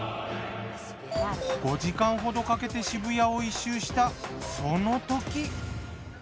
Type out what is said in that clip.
５時間ほどかけて渋谷を１周したそのとき。